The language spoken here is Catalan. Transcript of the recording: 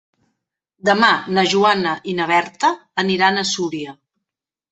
Demà na Joana i na Berta aniran a Súria.